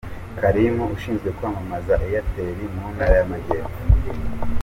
Kalim ushinzwe kwamamaza Itel mu ntara y'amajyepfo.